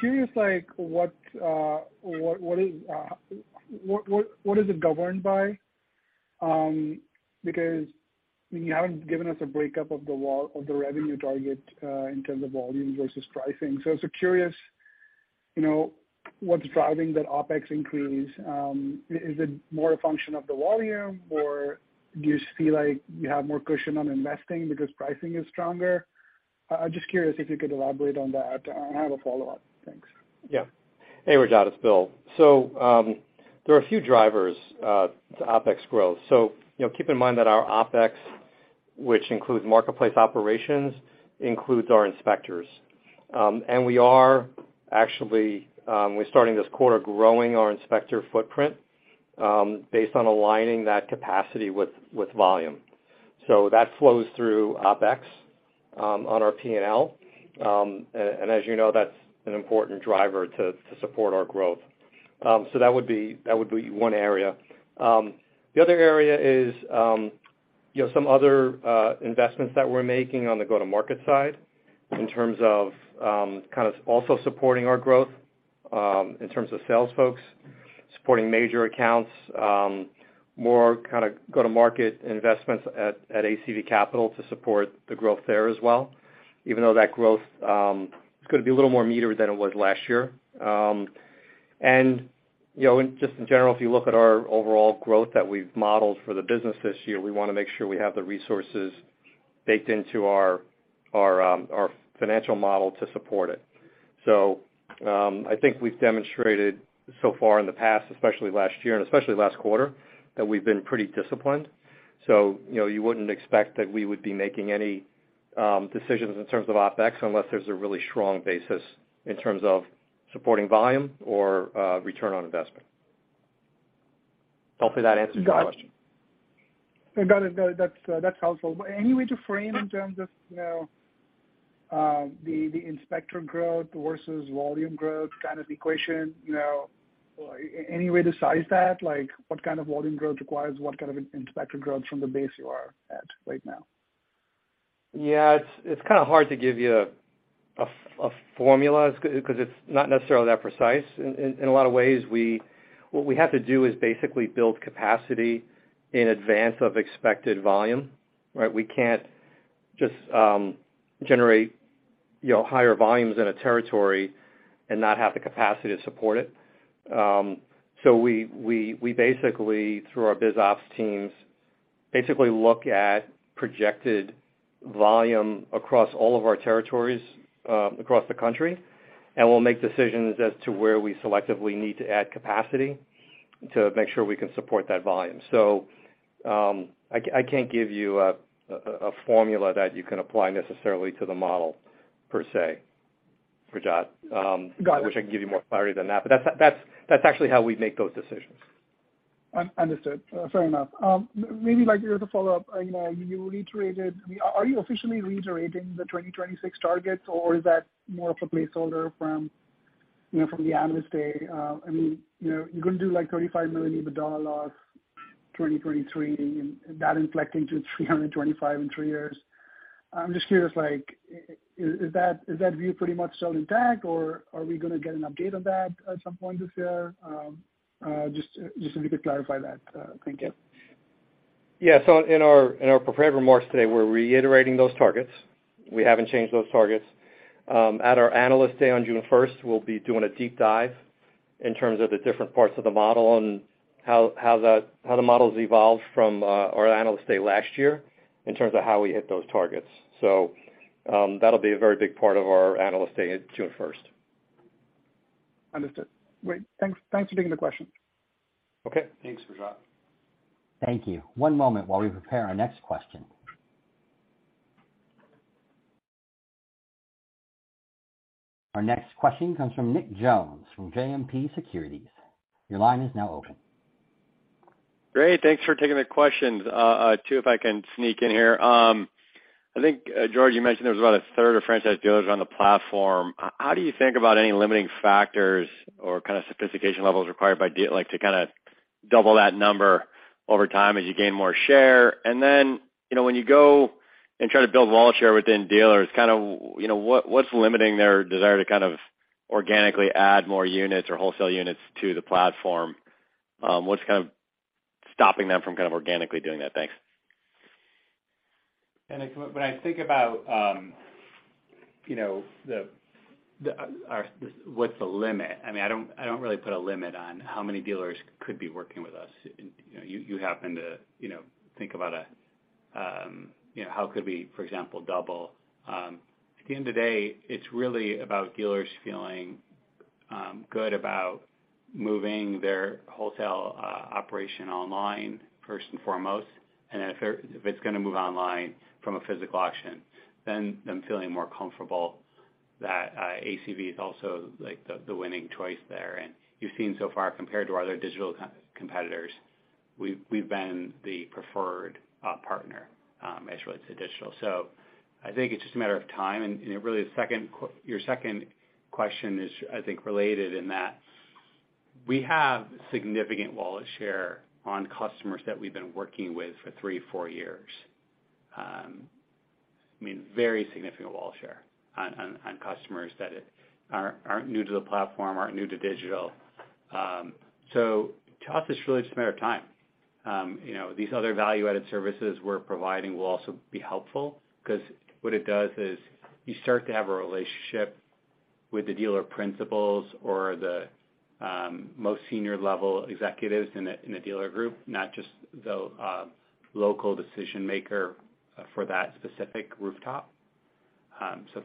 Curious, like what is it governed by? Because you haven't given us a breakup of the revenue target in terms of volume versus pricing. I was so curious, you know, what's driving that OpEx increase. Is it more a function of the volume or do you see like you have more cushion on investing because pricing is stronger? Just curious if you could elaborate on that. I have a follow-up. Thanks. Yeah. Hey Rajat, it's Bill. There are a few drivers to OpEx growth. You know, keep in mind that our OpEx, which includes marketplace operations, includes our inspectors. We are actually, we're starting this quarter growing our inspector footprint based on aligning that capacity with volume. That flows through OpEx on our P&L. As you know, that's an important driver to support our growth. That would be one area. The other area is, you know, some other investments that we're making on the go-to-market side in terms of kind of also supporting our growth in terms of sales folks, supporting major accounts, more kind of go-to-market investments at ACV Capital to support the growth there as well, even though that growth is gonna be a little more metered than it was last year. You know, in just in general, if you look at our overall growth that we've modeled for the business this year, we wanna make sure we have the resources baked into our financial model to support it. I think we've demonstrated so far in the past, especially last year and especially last quarter, that we've been pretty disciplined. You know, you wouldn't expect that we would be making any decisions in terms of OpEx unless there's a really strong basis in terms of supporting volume or return on investment. Hopefully that answers your question. Got it. That's, that's helpful. Any way to frame in terms of, you know, the inspector growth versus volume growth kind of equation? You know, any way to size that? Like what kind of volume growth requires what kind of in-inspector growth from the base you are at right now? Yeah. It's, it's kinda hard to give you a formula 'cause it's not necessarily that precise. In a lot of ways, we, what we have to do is basically build capacity in advance of expected volume, right? We can't just generate, you know, higher volumes in a territory and not have the capacity to support it. We basically, through our biz ops teams, basically look at projected volume across all of our territories across the country, and we'll make decisions as to where we selectively need to add capacity to make sure we can support that volume. I can't give you a formula that you can apply necessarily to the model per se. I wish I could give you more clarity than that, but that's actually how we make those decisions. Un-understood. Fair enough. maybe like as a follow-up, you know, you reiterated Are you officially reiterating the 2026 targets, or is that more of a placeholder from, you know, from the Analyst Day? I mean, you know, you're gonna do, like, $35 million EBITDA loss 2023 and that inflecting to $325 million in 3 years. I'm just curious, like, is that view pretty much still intact, or are we gonna get an update on that at some point this year? just so we could clarify that. thank you. Yeah. In our prepared remarks today, we're reiterating those targets. We haven't changed those targets. At our Analyst Day on June first, we'll be doing a deep dive in terms of the different parts of the model and how the model's evolved from our Analyst Day last year in terms of how we hit those targets. That'll be a very big part of our Analyst Day June first. Understood. Great. Thanks, thanks for taking the question. Okay. Thanks, Rajat. Thank you. One moment while we prepare our next question. Our next question comes from Nick Jones from JMP Securities. Your line is now open. Great. Thanks for taking the questions. two if I can sneak in here? I think, George, you mentioned there was about a third of franchise dealers on the platform. How do you think about any limiting factors or kind of sophistication levels required by like, to kinda double that number over time as you gain more share? Then, you know, when you go and try to build wallet share within dealers, kind of, you know, what's limiting their desire to kind of organically add more units or wholesale units to the platform? What's kind of stopping them from kind of organically doing that? Thanks. When I think about, you know, what's the limit? I mean, I don't, I don't really put a limit on how many dealers could be working with us. You know, you happen to, you know, think about a, you know, how could we, for example, double? At the end of the day, it's really about dealers feeling good about moving their wholesale operation online first and foremost. If it's gonna move online from a physical auction, then them feeling more comfortable that ACV is also, like, the winning choice there. You've seen so far, compared to our other digital competitors, we've been the preferred partner as relates to digital. I think it's just a matter of time. You know, really your second question is, I think, related in that we have significant wallet share on customers that we've been working with for three, four years. I mean, very significant wallet share on customers that aren't new to the platform, aren't new to digital. To us, it's really just a matter of time. You know, these other value-added services we're providing will also be helpful because what it does is you start to have a relationship with the dealer principals or the most senior level executives in the dealer group, not just the local decision maker for that specific rooftop.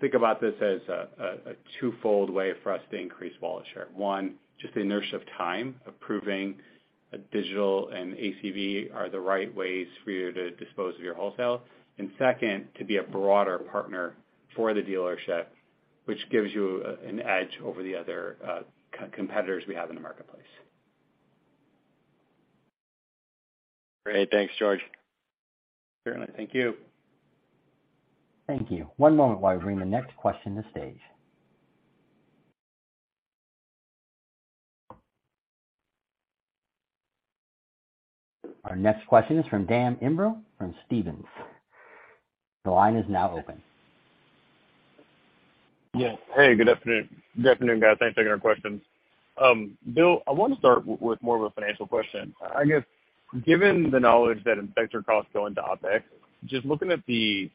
Think about this as a twofold way for us to increase wallet share. One, just the inertia of time of proving that digital and ACV are the right ways for you to dispose of your wholesale. Second, to be a broader partner for the dealership, which gives you an edge over the other competitors we have in the marketplace. Great. Thanks, George. Certainly. Thank you. Thank you. One moment while we bring the next question to stage. Our next question is from Daniel Imbro from Stephens. The line is now open. Yes. Hey, good afternoon. Good afternoon, guys. Thanks for taking our questions. Bill, I wanna start with more of a financial question. I guess, given the knowledge that inspector costs go into OpEx, just looking at the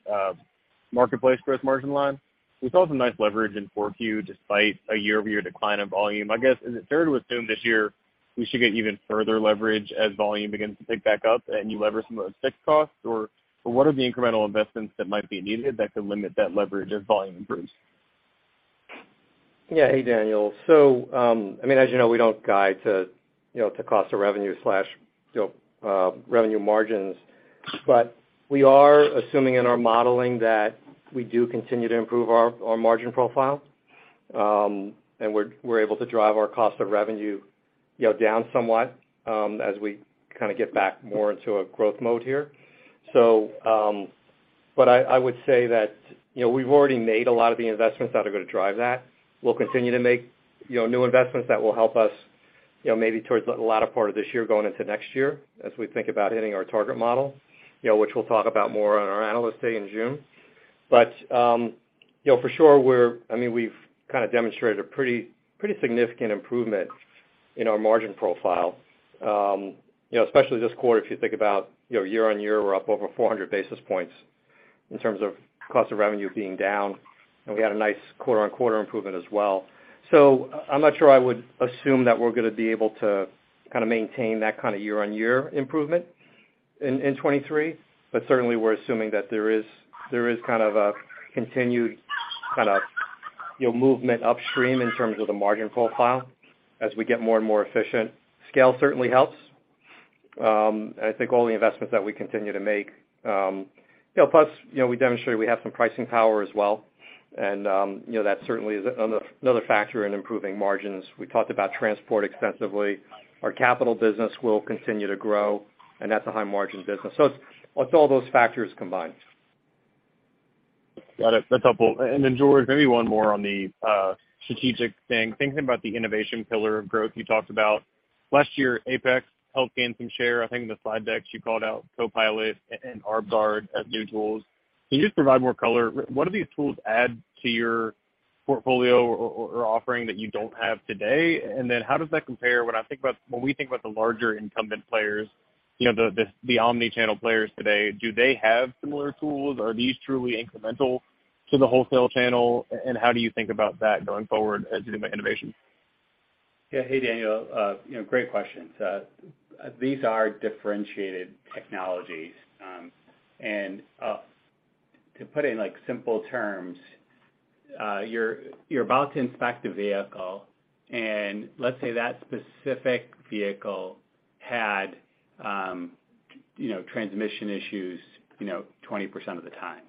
marketplace gross margin line, we saw some nice leverage in 4Q despite a year-over-year decline in volume. I guess, is it fair to assume this year we should get even further leverage as volume begins to pick back up and you lever some of those fixed costs, or what are the incremental investments that might be needed that could limit that leverage as volume improves? Yeah. Hey, Daniel. I mean, as you know, we don't guide to, you know, to cost of revenue slash, you know, revenue margins. We are assuming in our modeling that we do continue to improve our margin profile, and we're able to drive our cost of revenue, you know, down somewhat, as we kinda get back more into a growth mode here. I would say that, you know, we've already made a lot of the investments that are gonna drive that. We'll continue to make, you know, new investments that will help us, you know, maybe towards the latter part of this year going into next year as we think about hitting our target model, you know, which we'll talk about more on our Analyst Day in June. you know, for sure, we've kinda demonstrated a pretty significant improvement in our margin profile. you know, especially this quarter, if you think about, you know, year-on-year, we're up over 400 basis points in terms of cost of revenue being down, and we had a nice quarter-on-quarter improvement as well. I'm not sure I would assume that we're gonna be able to kinda maintain that kinda year-on-year improvement in 23, but certainly we're assuming that there is kind of a continued kind of, you know, movement upstream in terms of the margin profile as we get more and more efficient. Scale certainly helps. I think all the investments that we continue to make, you know, plus, you know, we demonstrate we have some pricing power as well. You know, that certainly is another factor in improving margins. We talked about transport extensively. Our Capital business will continue to grow, and that's a high margin business. It's all those factors combined. Got it. That's helpful. Then George, maybe one more on the strategic thing. Thinking about the innovation pillar of growth you talked about, last year, APEX helped gain some share. I think in the slide decks you called out Copilot and ArbGuard as new tools. Can you just provide more color? What do these tools add to your portfolio or offering that you don't have today? Then how does that compare when we think about the larger incumbent players, you know, the omni-channel players today, do they have similar tools? Are these truly incremental to the wholesale channel? And how do you think about that going forward as you do more innovation? Yeah. Hey, Daniel. You know, great questions. These are differentiated technologies, to put it in, like, simple terms, you're about to inspect a vehicle, and let's say that specific vehicle had, you know, transmission issues, you know, 20% of the time.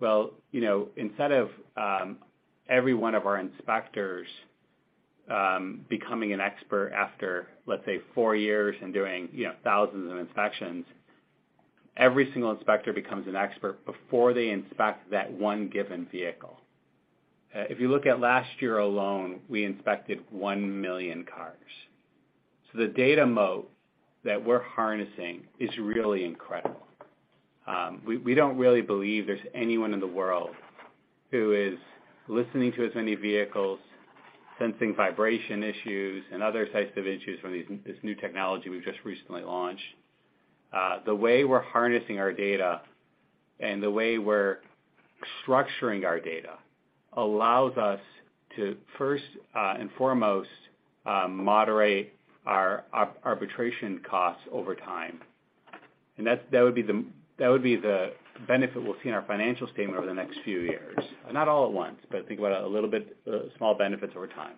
Well, you know, instead of every one of our inspectors becoming an expert after, let's say, four years and doing, you know, thousands of inspections, every single inspector becomes an expert before they inspect that one given vehicle. If you look at last year alone, we inspected 1 million cars. The data moat that we're harnessing is really incredible. We don't really believe there's anyone in the world who is listening to as many vehicles, sensing vibration issues and other types of issues from this new technology we've just recently launched. The way we're harnessing our data and the way we're structuring our data allows us to first and foremost, moderate our arbitration costs over time. That would be the benefit we'll see in our financial statement over the next few years. Not all at once, but think about a little bit small benefits over time.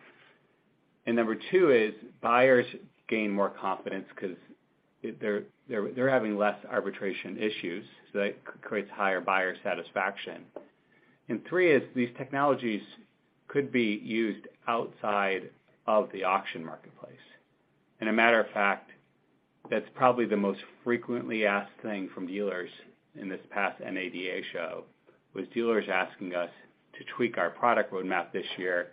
Number two is buyers gain more confidence because they're having less arbitration issues, so that creates higher buyer satisfaction. Three is these technologies could be used outside of the auction marketplace. A matter of fact, that's probably the most frequently asked thing from dealers in this past NADA show, was dealers asking us to tweak our product roadmap this year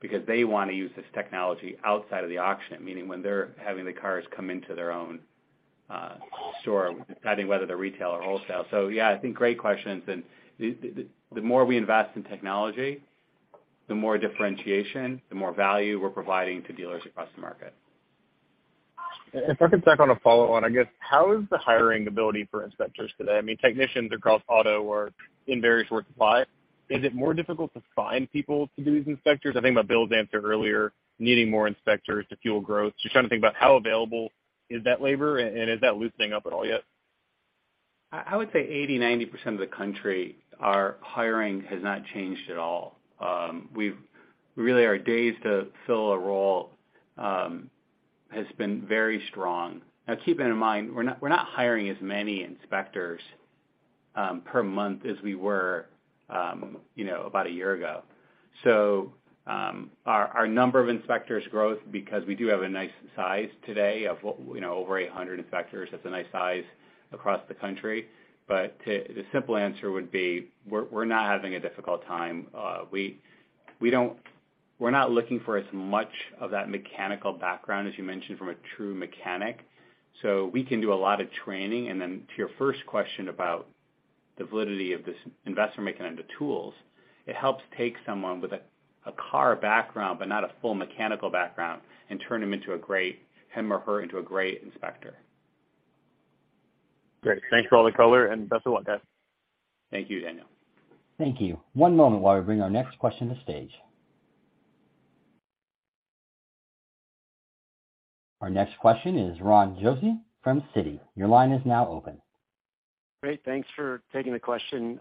because they want to use this technology outside of the auction, meaning when they're having the cars come into their own store, deciding whether they're retail or wholesale. Yeah, I think great questions. The more we invest in technology, the more differentiation, the more value we're providing to dealers across the market. If I could circle on a follow on, I guess, how is the hiring ability for inspectors today? I mean, technicians across auto are in very short supply. Is it more difficult to find people to do these inspectors? I think about Bill's answer earlier, needing more inspectors to fuel growth. Just trying to think about how available is that labor, and is that loosening up at all yet? I would say 80%, 90% of the country, our hiring has not changed at all. Our days to fill a role has been very strong. Now keeping in mind, we're not hiring as many inspectors per month as we were, you know, about a year ago. Our number of inspectors growth because we do have a nice size today of you know, over 800 inspectors, that's a nice size across the country. The simple answer would be we're not having a difficult time. We're not looking for as much of that mechanical background, as you mentioned, from a true mechanic. We can do a lot of training. To your first question about the validity of this investment making into tools, it helps take someone with a car background, but not a full mechanical background and turn him or her into a great inspector. Great. Thanks for all the color, best of luck, guys. Thank you, Daniel. Thank you. One moment while we bring our next question to stage. Our next question is Ron Josey from Citi. Your line is now open. Great. Thanks for taking the question.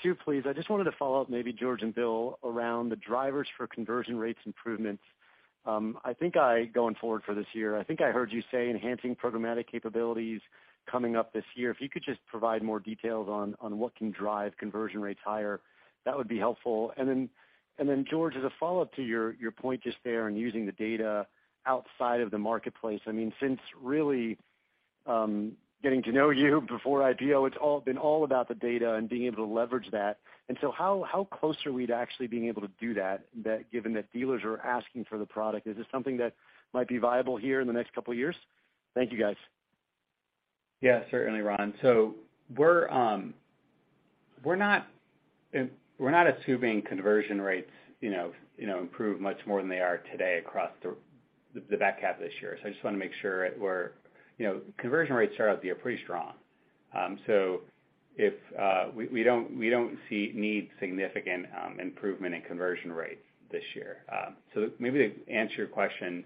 2, please. I just wanted to follow up, maybe George and Bill, around the drivers for conversion rates improvements. Going forward for this year, I think I heard you say enhancing programmatic capabilities coming up this year. If you could just provide more details on what can drive conversion rates higher, that would be helpful. Then George, as a follow-up to your point just there on using the data outside of the marketplace, I mean, since really, getting to know you before IPO, it's all been all about the data and being able to leverage that. So how close are we to actually being able to do that given that dealers are asking for the product? Is this something that might be viable here in the next couple of years? Thank you, guys. Yeah, certainly, Ron. We're not assuming conversion rates, you know, you know, improve much more than they are today across the back half of this year. I just want to make sure we're. You know, conversion rates are out there pretty strong. If we don't need significant improvement in conversion rates this year. Maybe to answer your question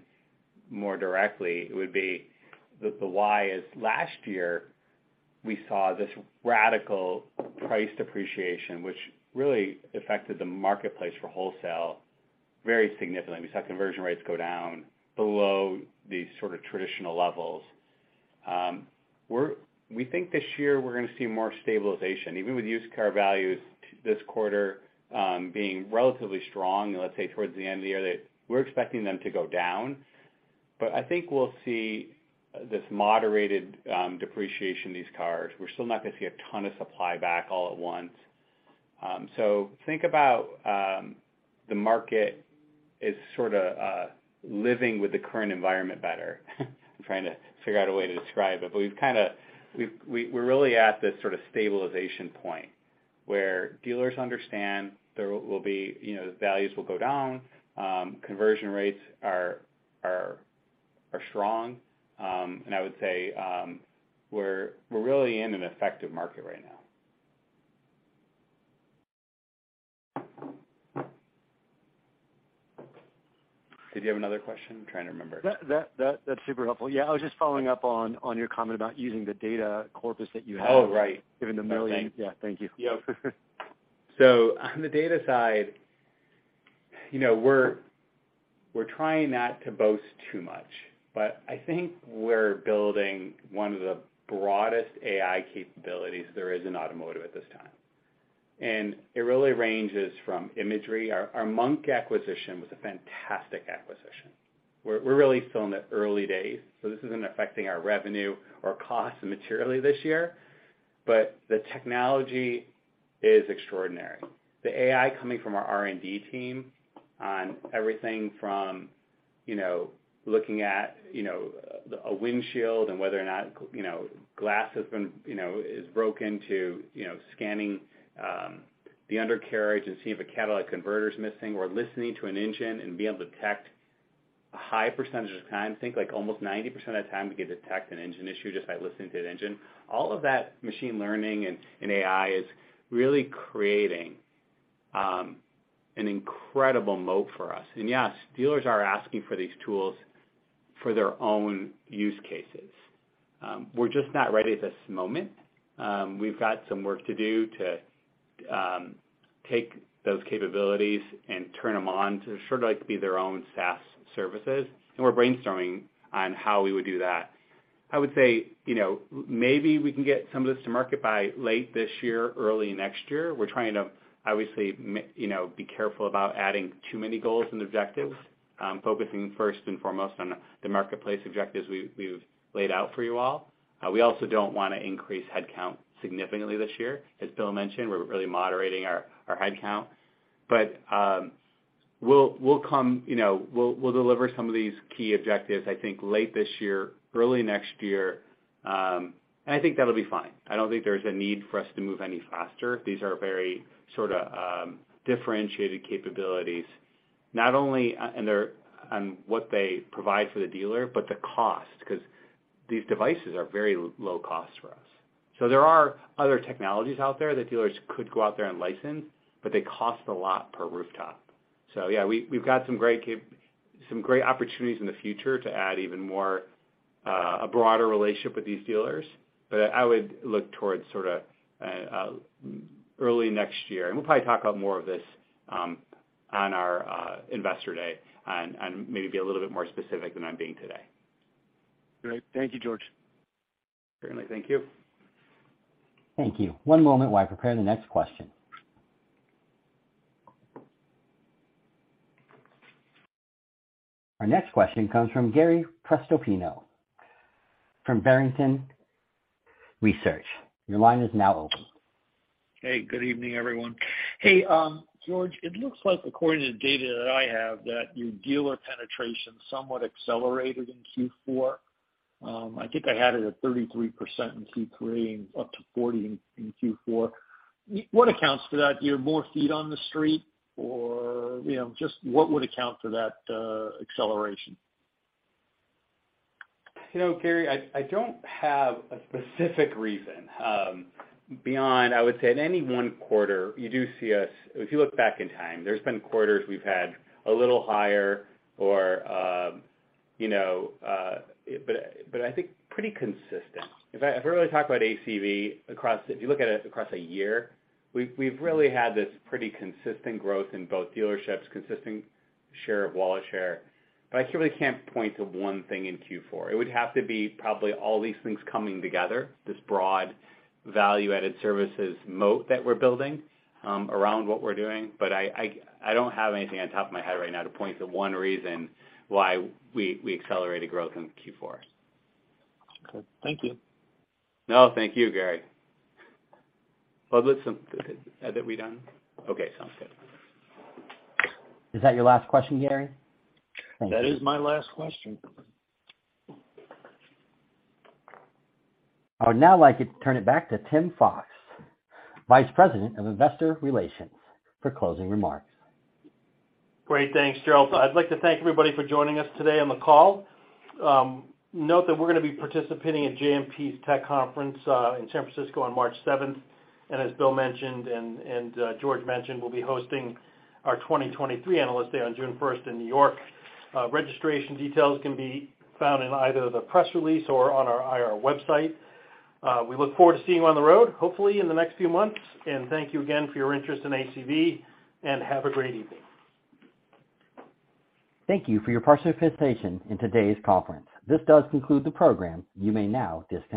more directly, it would be the why is last year. We saw this radical price depreciation, which really affected the marketplace for wholesale very significantly. We saw conversion rates go down below the sort of traditional levels. We think this year we're gonna see more stabilization, even with used car values this quarter, being relatively strong, let's say, towards the end of the year. We're expecting them to go down, I think we'll see this moderated depreciation in these cars. We're still not gonna see a ton of supply back all at once. Think about, the market is sort of, living with the current environment better. I'm trying to figure out a way to describe it, but we're really at this sorta stabilization point where dealers understand there will be, you know, values will go down. Conversion rates are strong. I would say, we're really in an effective market right now. Did you have another question? I'm trying to remember. That's super helpful. Yeah, I was just following up on your comment about using the data corpus that you have. Oh, right. Given the Okay. Yeah. Thank you. Yep. On the data side, you know, we're trying not to boast too much, but I think we're building one of the broadest AI capabilities there is in automotive at this time. It really ranges from imagery. Our, our Monk acquisition was a fantastic acquisition. We're, we're really still in the early days, so this isn't affecting our revenue or costs materially this year, but the technology is extraordinary. The AI coming from our R&D team on everything from, you know, looking at, you know, a windshield and whether or not, you know, glass has been, you know, is broken to, you know, scanning the undercarriage and seeing if a catalytic converter is missing or listening to an engine and being able to detect a high % of the time. Think like almost 90% of the time, we could detect an engine issue just by listening to the engine. All of that machine learning and AI is really creating an incredible moat for us. Yes, dealers are asking for these tools for their own use cases. We're just not ready at this moment. We've got some work to do to take those capabilities and turn them on to sort of like be their own SaaS services. We're brainstorming on how we would do that. I would say, you know, maybe we can get some of this to market by late this year, early next year. We're trying to obviously, you know, be careful about adding too many goals and objectives, focusing first and foremost on the marketplace objectives we've laid out for you all. We also don't wanna increase headcount significantly this year. As Bill mentioned, we're really moderating our headcount. We'll come, you know, we'll deliver some of these key objectives, I think late this year, early next year, I think that'll be fine. I don't think there's a need for us to move any faster. These are very sorta differentiated capabilities, not only on what they provide for the dealer, but the cost, 'cause these devices are very low cost for us. Yeah, we've got some great opportunities in the future to add even more, a broader relationship with these dealers. I would look towards sort of early next year, and we'll probably talk about more of this on our Investor Day and maybe be a little bit more specific than I'm being today. Great. Thank you, George. Certainly. Thank you. Thank you. One moment while I prepare the next question. Our next question comes from Gary Prestopino from Barrington Research. Your line is now open. Hey, good evening, everyone. Hey, George, it looks like according to the data that I have, that your dealer penetration somewhat accelerated in Q4. I think I had it at 33% in Q3 and up to 40 in Q4. What accounts to that? Do you have more feet on the street or, you know, just what would account for that acceleration? You know, Gary, I don't have a specific reason, beyond I would say at any 1 quarter, you do see us. If you look back in time, there's been quarters we've had a little higher or, you know, but I think pretty consistent. In fact, if we were to talk about ACV if you look at it across a year, we've really had this pretty consistent growth in both dealerships, consistent share of wallet share. I really can't point to 1 thing in Q4. It would have to be probably all these things coming together, this broad value-added services moat that we're building around what we're doing. I don't have anything on top of my head right now to point to 1 reason why we accelerated growth in Q4. Okay. Thank you. No, thank you, Gary. Well, listen. Are we done? Okay, sounds good. Is that your last question, Gary? Thank you. That is my last question. I would now like to turn it back to Tim Fox, Vice President of Investor Relations, for closing remarks. Great. Thanks, Gerald. I'd like to thank everybody for joining us today on the call. Note that we're gonna be participating in JMP's tech conference in San Francisco on March seventh. As Bill mentioned and George mentioned, we'll be hosting our 2023 Analyst Day on June 1st in New York. Registration details can be found in either the press release or on our IR website. We look forward to seeing you on the road, hopefully in the next few months. Thank you again for your interest in ACV, and have a great evening. Thank you for your participation in today's conference. This does conclude the program. You may now disconnect.